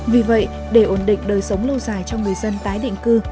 vì vậy để ổn định đời sống lâu dài cho người dân tái định cư